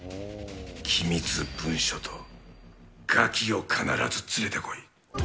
機密文書とガキを必ず連れて来い。